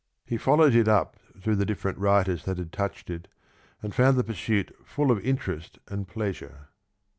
He followed it up through the different writers that had touched it, and found the pursuit full of interest and pleasure.